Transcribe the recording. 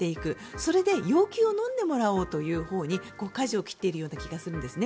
それで要求をのんでもらおうというほうにかじを切っているような気がするんですね。